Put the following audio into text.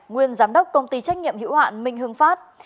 nguyên giám đốc công ty trách nhiệm hữu hạn minh hưng phát